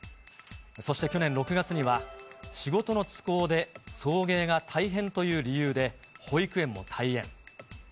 そして去年６月には、仕事の都合で送迎が大変という理由で、保育園も退園。